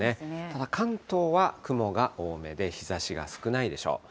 ただ、関東は雲が多めで、日ざしが少ないでしょう。